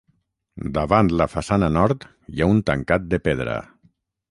Davant la façana nord hi ha un tancat de pedra.